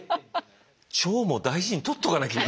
腸も大事に取っとかなきゃいけない。